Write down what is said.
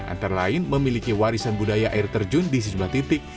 antara lain memiliki warisan budaya air terjun di sejumlah titik